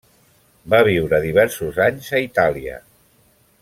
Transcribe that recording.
Va viure diversos anys a Itàlia.